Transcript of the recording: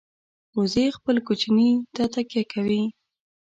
وزې خپل کوچني ته تکیه کوي